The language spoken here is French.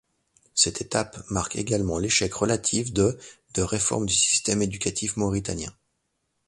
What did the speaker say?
Cette étape marque également l’échec relatif de de réformes du système éducatif mauritanien.